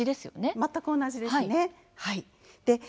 全く同じです。